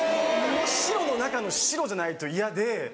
白の中の白じゃないと嫌で。